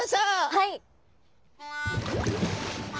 はい！